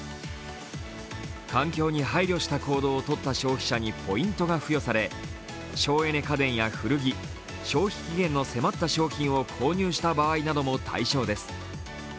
環境に配慮した行動をとった消費者にポイントが付与され省エネ家電や古着、消費期限の迫った商品を購入した場合なども対象です。